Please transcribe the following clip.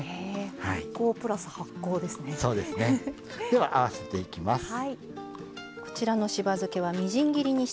では合わせていきます。